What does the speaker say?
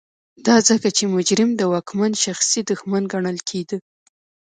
دا ځکه چې مجرم د واکمن شخصي دښمن ګڼل کېده.